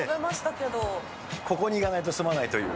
ここにいかないと済まないという。